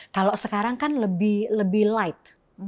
kalau sekarang kan lebih light